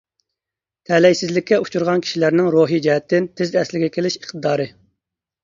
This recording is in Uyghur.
تەلەيسىزلىككە ئۇچرىغان كىشىلەرنىڭ روھىي جەھەتتىن تېز ئەسلىگە كېلىش ئىقتىدارى.